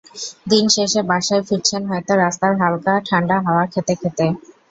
দিন শেষে বাসায় ফিরছেন হয়তো রাস্তার হালকা ঠান্ডা হাওয়া খেতে খেতে।